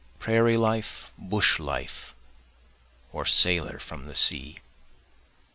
prairie life, bush life? or sailor from the sea?